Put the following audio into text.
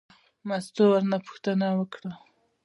مستو ورنه پوښتنه وکړه.